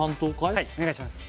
はいお願いします